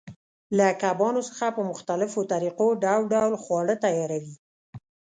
له کبانو څخه په مختلفو طریقو ډول ډول خواړه تیاروي.